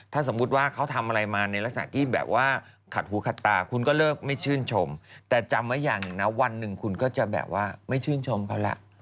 ถ้าสมมุติว่าเขาทำอะไรมาในลักษณะที่แบบว่าขัดหูขัดตาคุณก็เลิกไม่ชื่นชมแต่จำไว้อย่างหนึ่งนะวันหนึ่งคุณก็จะแบบว่าไม่ชื่นชมเขาล่ะ